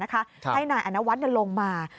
ให้นายอนวัฒน์ลงมา